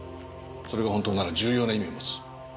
それが本当なら重要な意味を持つ。